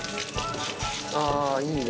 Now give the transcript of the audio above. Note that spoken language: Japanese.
あぁいいね。